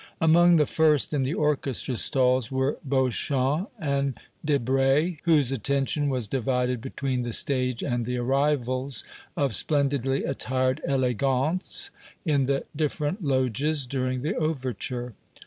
Among the first in the orchestra stalls were Beauchamp and Debray, whose attention was divided between the stage and the arrivals of splendidly attired elégantes in the different loges, during the overture.